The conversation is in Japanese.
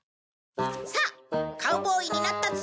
さあカウボーイになったつもりで！